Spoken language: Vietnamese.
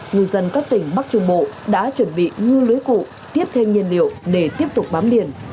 ngư dân các tỉnh bắc trung bộ đã chuẩn bị ngư lưới cụ tiếp thêm nhiên liệu để tiếp tục bám biển